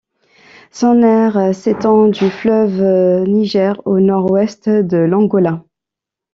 Son aire s'étend du fleuve Niger au nord-ouest de l'Angola.